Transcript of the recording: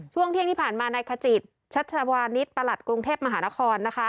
ช่วงเที่ยงที่ผ่านมานายขจิตชัชวานิสประหลัดกรุงเทพมหานคร